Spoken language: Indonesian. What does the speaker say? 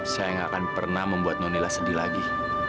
saya gak akan pernah membuat nonila sedih lagi